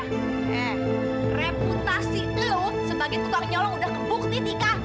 eh reputasi lo sebagai tutuang nyolong udah kebukti tika